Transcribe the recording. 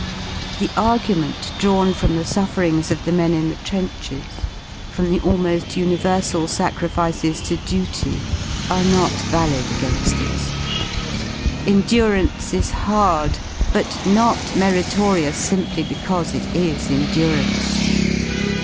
[The argument drawn from the sufferings of the men in the trenches, from the almo^ universal sacrifices to duty, are not valid again^ this. Endurance is hard, but not i meritorious simply because it is endurance.